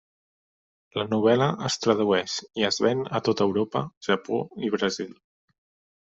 La novel·la es tradueix i es ven a tot Europa, Japó i Brasil.